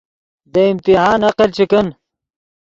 دے امتحان نقل چے کن